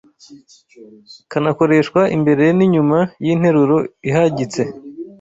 Kanakoreshwa imbere n’inyuma y’interuro ihagitse